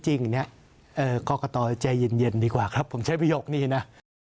จริงเนี่ยกรกตใจเย็นดีกว่าครับผมใช้ประโยคนี้นะ